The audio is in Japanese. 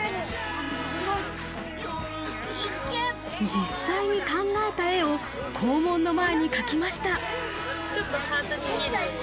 実際に考えた絵を校門の前に描きました。